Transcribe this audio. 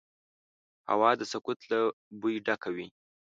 هوا د سکوت له بوی ډکه وي